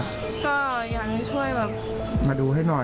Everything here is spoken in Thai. ก็อยากให้ช่วยมาดูให้หน่อย